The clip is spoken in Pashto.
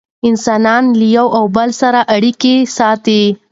انسانان یو له بل سره اړیکې ساتي.